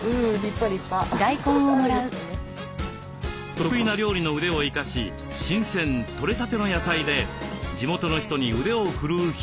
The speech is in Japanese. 得意な料理の腕を生かし新鮮取れたての野菜で地元の人に腕を振るう日々。